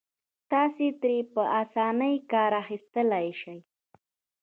تاسې ترې په اسانۍ کار اخيستلای شئ.